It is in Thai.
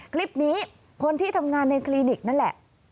คลิปนี้คนที่ทำงานในคลินิกนั่นแหละ